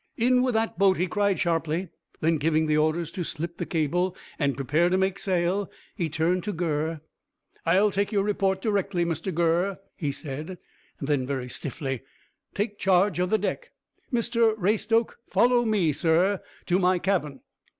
"In with that boat," he cried sharply. Then, giving the orders to slip the cable, and prepare to make sail, he turned to Gurr. "I'll take your report directly, Mr Gurr," he said. Then, very stiffly, "Take charge of the deck. Mr Raystoke, follow me, sir, to my cabin."